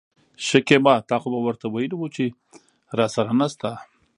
شکيبا : تا خو به ورته وويلي وو چې راسره نشته.